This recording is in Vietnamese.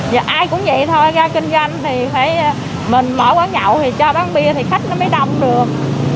và ai cũng vậy thôi ra kinh doanh thì phải mình mở quán nhậu thì cho bán bia thì khách nó mới đông được